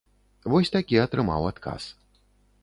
Вось такі атрымаў адказ.